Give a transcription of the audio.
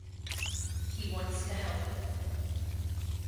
He wants to help him.